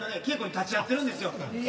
稽古に立ち会ってるんですよ。